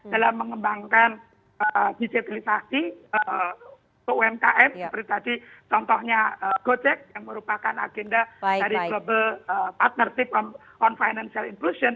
dalam mengembangkan digitalisasi umkm seperti tadi contohnya gojek yang merupakan agenda dari global partnership on financial inclusion